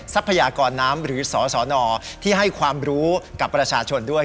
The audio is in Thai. ทรัพยากรน้ำหรือสสนที่ให้ความรู้กับประชาชนด้วย